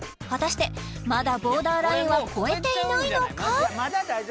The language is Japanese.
果たしてまだボーダーラインは超えていないのか？